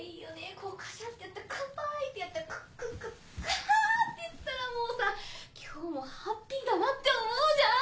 こうカシャってやってカンパイってやってクックックップハっていったらもうさ今日もハッピーだなって思うじゃん！